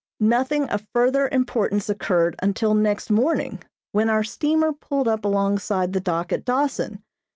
Nothing of further importance occurred until next morning when our steamer pulled up alongside the dock at Dawson.